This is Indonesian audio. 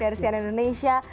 dari sian indonesia